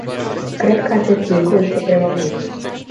Cred că acest lucru este prematur.